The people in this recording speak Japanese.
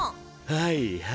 はいはい。